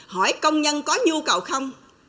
hỏi công nhân có nhu cầu không